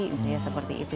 misalnya seperti itu